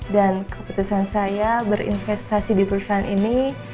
dan keputusan saya berinvestasi di perusahaan ini